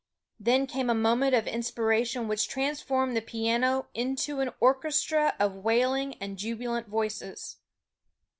Then came a moment of inspiration which transformed the piano into an orchestra of wailing and jubilant voices.